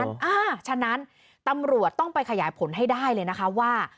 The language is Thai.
เพราะฉะนั้นตำรวจต้องไปขยายผลให้ได้เลยนะคะว่า